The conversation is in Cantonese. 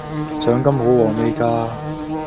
獎金好禾味架!